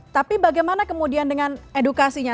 tapi bagaimana kemudian dengan edukasinya